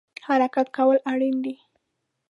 حرکت کول اړین دی